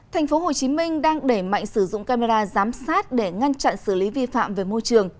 thành phố hồ chí minh đang để mạnh sử dụng camera giám sát để ngăn chặn xử lý vi phạm về môi trường